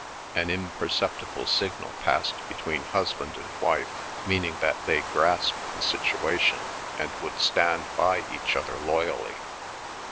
An imperceptible signal passed between husband and wife, meaning that they grasped the situation and would stand by each other loyally.